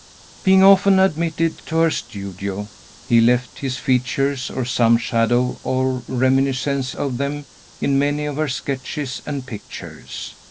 Being often admitted to her studio, he left his features, or some shadow or reminiscence of them, in many of her sketches and pictures.